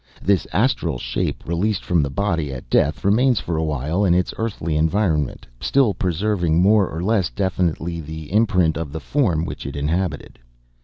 This astral shape, released from the body at death, remains for a while in its earthly environment, still preserving more or less definitely the imprint of the form which it inhabited.